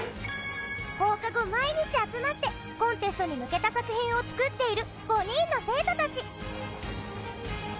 放課後毎日集まってコンテストに向けた作品を作っている５人の生徒たち。